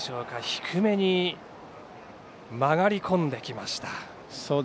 低めに曲がり込んできました。